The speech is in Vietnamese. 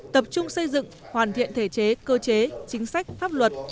tập trung xây dựng hoàn thiện thể chế cơ chế chính sách pháp luật